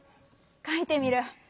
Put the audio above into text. かいてみる。